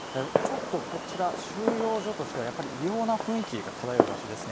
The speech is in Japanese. こちら、収容所としては異様な雰囲気が漂う場所ですね。